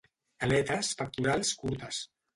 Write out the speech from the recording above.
Aletes pectorals curtes.